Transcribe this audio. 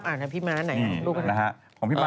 สนับสนุนโดยดีที่สุดคือการให้ไม่สิ้นสุด